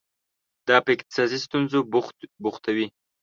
دا په اقتصادي ستونزو بوختوي.